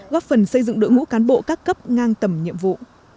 góp phần xây dựng đội ngũ cán bộ các cấp ngang tầm nhiệm vụ